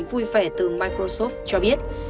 một thống kê vui vẻ từ microsoft cho biết